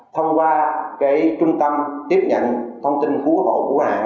thông qua cái trung tâm tiếp nhận thông tin hữu hộ của hạng